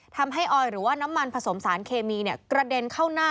ออยหรือว่าน้ำมันผสมสารเคมีกระเด็นเข้าหน้า